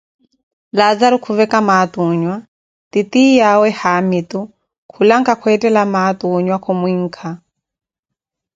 Laazaru khuveca maati oonyua, titiyawe haamitu khulanka kwettela maati okhuzinha kumwinkha.